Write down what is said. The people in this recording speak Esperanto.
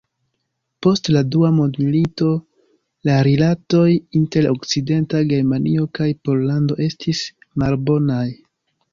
Post la dua mondmilito la rilatoj inter Okcidenta Germanio kaj Pollando estis malbonaj.